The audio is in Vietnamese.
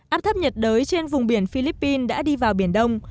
áp thấp nhiệt đới trên vùng biển philippines đã đi vào biển đông